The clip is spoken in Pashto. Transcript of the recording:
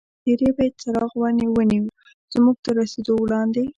پر څېرې به یې څراغ ور ونیو، زموږ تر رسېدو وړاندې.